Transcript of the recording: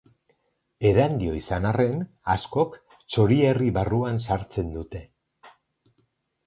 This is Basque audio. Erandio izan arren, askok Txorierri barruan sartzen dute.